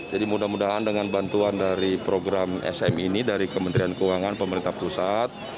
jadi mudah mudahan dengan bantuan dari program sm ini dari kementerian keuangan pemerintah pusat